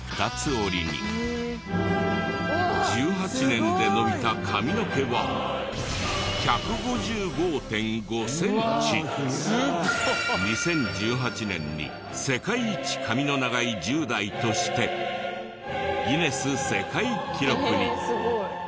１８年で伸びた髪の毛は２０１８年に世界一髪の長い１０代としてギネス世界記録に。